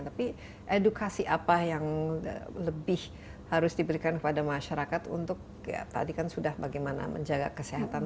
tapi edukasi apa yang lebih harus diberikan kepada masyarakat untuk ya tadi kan sudah bagaimana menjaga kesehatan